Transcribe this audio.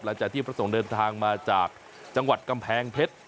พระสงฆ์เดินทางมาจากจังหวัดกำแพงเพชร